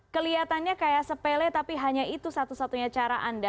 kelihatannya kayak sepele tapi hanya itu satu satunya cara anda